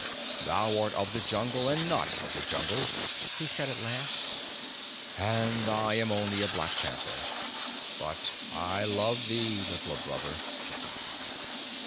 "Thou art of the Jungle and not of the Jungle," he said at last. "And I am only a black panther. But I love thee, Little Brother."